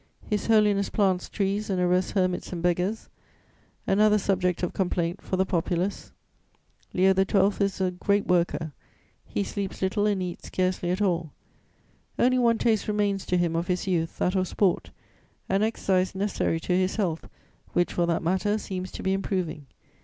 His Holiness plants trees and arrests hermits and beggars: another subject of complaint for the populace. Leo XII. is a great worker; he sleeps little and eats scarcely at all. Only one taste remains to him of his youth, that of sport, an exercise necessary to his health, which, for that matter, seems to be improving.